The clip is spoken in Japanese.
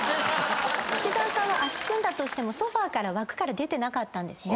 吉沢さんは足組んだとしても枠から出てなかったんですね。